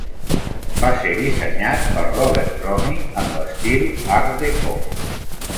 Va ser dissenyat per Robert Cromie en l'estil art-déco.